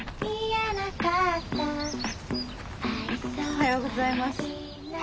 おはようございます。